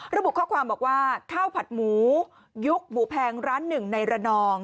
ระบุข้อความบอกว่าข้าวผัดหมูยุคหมูแพงร้านหนึ่งในระนอง